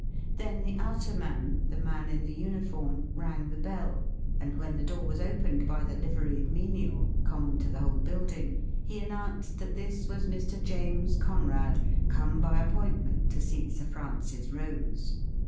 Then the outer man — the man in the uniform —■ rang the bell, and when the door was opened by the liveried menial, common to the whole building, he an nounced that this was Mr. James Conrad, come by appointment to see Sir Francis Rose.